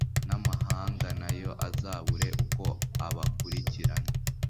n'amahanga nayo azabure uko abakurikirana.